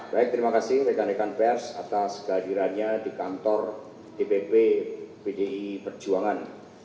baik terima kasih rekan rekan pers atas kehadirannya di kantor dpp pdi perjuangan